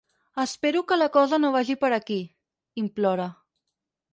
Espero que la cosa no vagi per aquí —implora—.